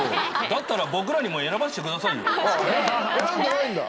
だったら僕らにも選ばせてく選んでないんだ。